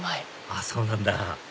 あっそうなんだ